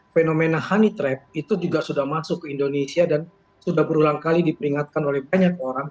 fenomena honey trap itu juga sudah masuk ke indonesia dan sudah berulang kali diperingatkan oleh banyak orang